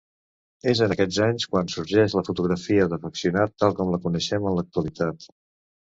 És en aquests anys quan sorgeix la fotografia d'afeccionat tal com la coneixem en l'actualitat.